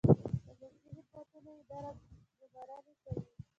د ملکي خدمتونو اداره ګمارنې کوي